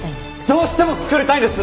どうしても作りたいんです！